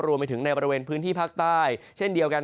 รวมไปถึงในบริเวณพื้นที่ภาคใต้เช่นเดียวกัน